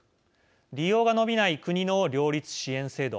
利用が伸びない国の両立支援制度。